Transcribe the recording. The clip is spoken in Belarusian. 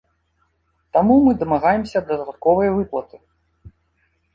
Таму мы дамагаемся дадатковай выплаты.